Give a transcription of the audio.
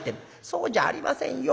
「そうじゃありませんよ。